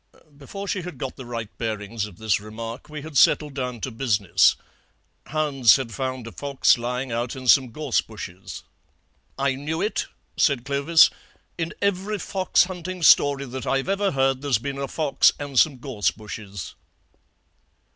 Before she had got the right bearings of this remark we had settled down to business; hounds had found a fox lying out in some gorse bushes." "I knew it," said Clovis, "in every fox hunting story that I've ever heard there's been a fox and some gorse bushes."